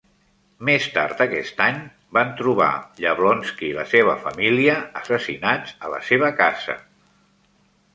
Més tard aquest any, van trobar Yablonski i la seva família assassinats a la seva casa.